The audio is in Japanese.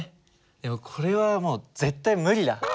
でもこれはもう絶対無理だ。